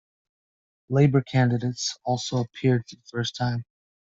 Labour candidates also appeared for the first time.